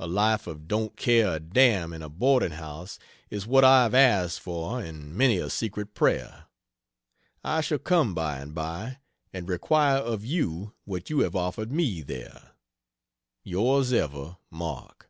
A life of don't care a damn in a boarding house is what I have asked for in many a secret prayer. I shall come by and by and require of you what you have offered me there. Yours ever, MARK.